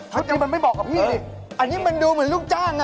คุณยังไม่เหมาะกับข้ากันสิอันนี้มันดูเหมือนลูกจ้างน่ะ